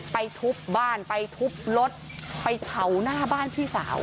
ทุบบ้านไปทุบรถไปเผาหน้าบ้านพี่สาว